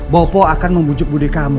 bapak akan membujuk bude kamu